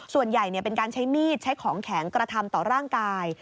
ส่วนใหญ่เป็นการใช้มีดใช้ของแข็งกระทำต่อร่างกาย